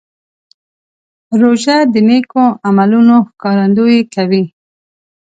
روژه د نیکو عملونو ښکارندویي کوي.